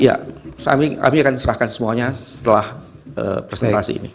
ya kami akan serahkan semuanya setelah presentasi ini